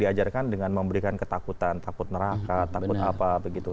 diajarkan dengan memberikan ketakutan takut neraka takut apa begitu